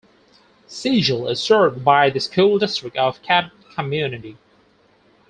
Sigel is served by the School District of Cadott Community.